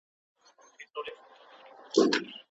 ازاد انسانان بايد په ټولنه کې خوندي وي.